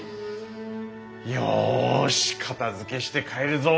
よし片づけして帰るぞ！